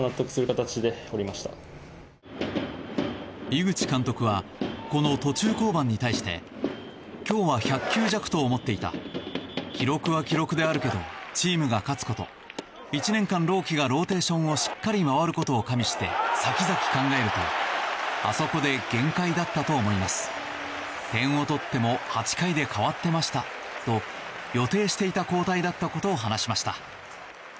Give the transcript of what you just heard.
井口監督はこの途中降板に対して今日は１００球弱と思っていた記録は記録であるけどチームが勝つこと１年間、朗希がローテーションをしっかり回ることを加味して先々考えるとあそこで限界だったと思います点を取っても８回で代わってましたと予定していた交代だったことを話しました。